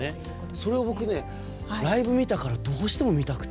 それを僕、ライブを見たからどうしても見たくて。